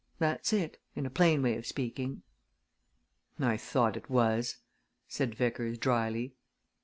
That's it in a plain way of speaking." "I thought it was," said Vickers dryly.